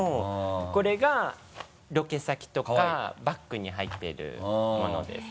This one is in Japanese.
これがロケ先とかバッグに入っているものです。